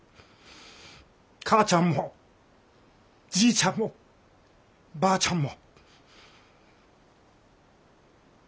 母ちゃんもじいちゃんもばあちゃんも。